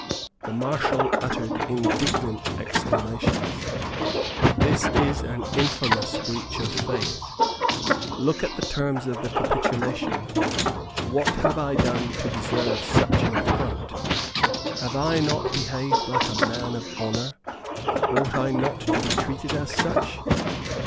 The Marshal uttered indignant exclamations: "This is an infamous breach of faith. Look at the terms of the capitulation. What have I done to deserve such an affront? Have I not behaved like a man of honour? Ought I not to be treated as such?